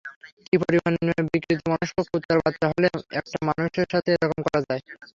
কী পরিমাণ বিকৃতমনস্ক কুত্তার বাচ্চা হলে একটা মানুষের সাথে এরকম করা যায়?